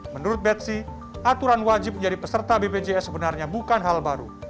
menurut betsi aturan wajib menjadi peserta bpjs sebenarnya bukan hal baru